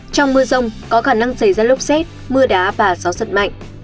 trong mưa rông có khả năng xảy ra lốc xét mưa đá và gió giật mạnh